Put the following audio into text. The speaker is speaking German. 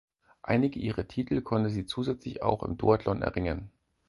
Einige ihrer Titel konnte sie zusätzlich auch im Duathlon erringen.